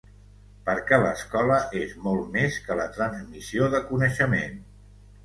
Perquè l’escola és molt més que la transmissió de coneixement.